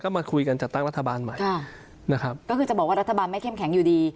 มาคุยกันจัดตั้งรัฐบาลใหม่ค่ะนะครับก็คือจะบอกว่ารัฐบาลไม่เข้มแข็งอยู่ดี